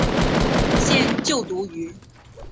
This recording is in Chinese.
现就读于。